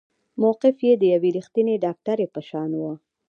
موقف يې د يوې رښتينې ډاکټرې په شان وه.